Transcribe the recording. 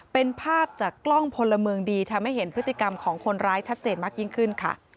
เป็นภาพจากกล้องพลเมืองดีทำให้เห็นพฤติกรรมของคนร้ายชัดเจนมากยิ่งขึ้นค่ะ